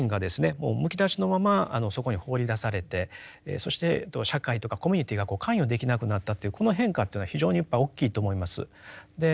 もうむき出しのままそこに放り出されてそして社会とかコミュニティーが関与できなくなったというこの変化というのは非常にやっぱり大きいと思います。